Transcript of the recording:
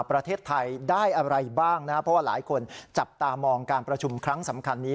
ประเทศไทยได้อะไรบ้างนะครับเพราะว่าหลายคนจับตามองการประชุมครั้งสำคัญนี้